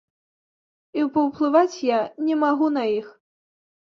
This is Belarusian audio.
І паўплываць я не магу на іх.